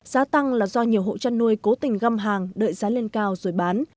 giá tăng là do nhiều hộ chăn nuôi cố tình găm hàng đợi giá lên cao rồi bán